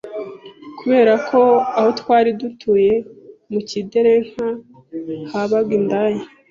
Kubera ko aho twari dutuye mu kidelenka habaga indaya